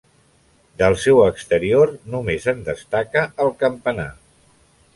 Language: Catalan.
Del seu exterior només en destaca el campanar.